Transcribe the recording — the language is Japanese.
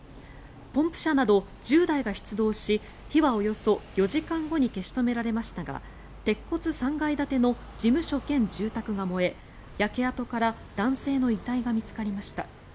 ポンプ車など１０台が出動し火はおよそ４時間後に消し止められましたが鉄骨３階建ての事務所兼住宅が燃え焼け跡から男性の遺体が見つかりました。